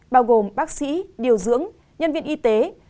bao gồm bác sĩ điều dưỡng nhân viên y tế